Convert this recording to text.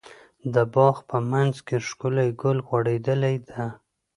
د باغ په منځ کې ښکلی ګل غوړيدلی ده.